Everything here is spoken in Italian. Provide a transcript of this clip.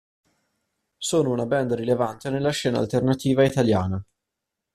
Sono una band rilevante nella scena alternativa italiana.